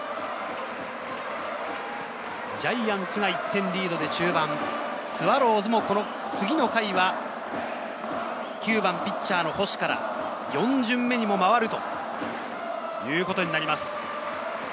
ジャイアンツが１点リードで中盤、スワローズも次の回は９番・ピッチャーの星から４巡目にも回るということになります。